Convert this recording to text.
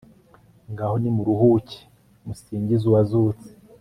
ngaho nimuruhuke, musingize uwazutse